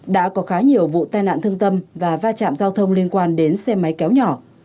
đã có khá nhiều vụ tai nạn thương tâm và va chạm giao thông liên quan đến xe máy kéo nhỏ